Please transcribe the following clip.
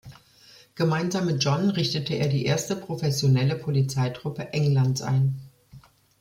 Gemeinsam mit John richtete er die erste professionelle Polizeitruppe Englands ein.